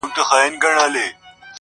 • په خِصلت درویش دی یاره نور سلطان دی..